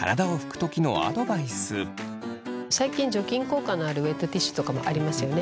最近除菌効果のあるウェットティッシュとかもありますよね。